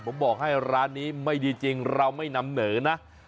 ผมบอกให้ร้านนี้ไม่ดีจริงเราไม่นำเหนอนะ